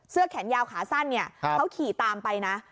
เสื้อแขนยาวขาสั้นเขาขี่ตามไปนะ